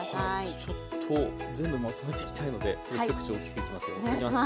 ちょっと全部まとめていきたいのでちょっと一口おっきくいきますよ。